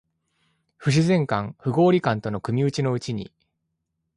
不自然感、不合理感との組打ちのうちに、